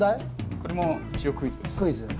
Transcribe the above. これも一応クイズです。